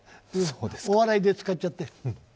お笑いで使っちゃって。